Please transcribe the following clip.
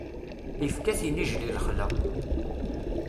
Ifka-t inijjel i lexla.